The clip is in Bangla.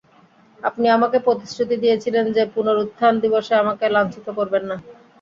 আপনি আমাকে প্রতিশ্রুতি দিয়েছিলেন যে, পুনরুত্থান দিবসে আমাকে লাঞ্ছিত করবেন না।